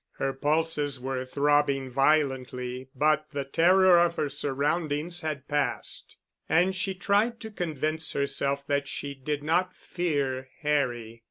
Her pulses were throbbing violently, but the terror of her surroundings had passed. And she tried to convince herself that she did not fear Harry....